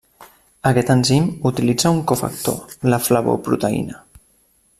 Aquest enzim utilitza un cofactor, la flavoproteïna.